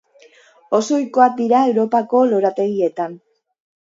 Oso ohikoak dira Europako lorategietan.